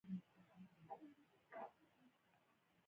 انسانیت په چوکاټ کښی وی